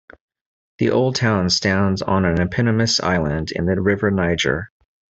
The old town stands on an eponymous island in the River Niger.